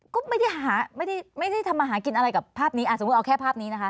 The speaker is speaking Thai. ก็ไม่ได้หาไม่ได้ทำมาหากินอะไรกับภาพนี้สมมุติเอาแค่ภาพนี้นะคะ